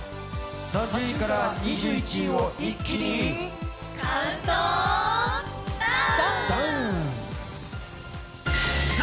３０位から２１位を一気にカウントダウン！